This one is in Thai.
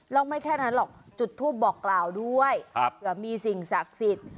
แล้วไม่แค่นั้นหรอกจุดทูปบอกกล่าวด้วยเผื่อมีสิ่งศักดิ์สิทธิ์